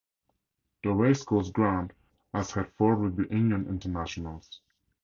The Racecourse Ground has held four rugby union internationals.